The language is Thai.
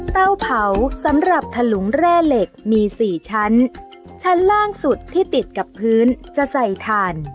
เตาเผาสำหรับถลุงแร่เหล็กมีสี่ชั้นชั้นล่างสุดที่ติดกับพื้นจะใส่ถ่าน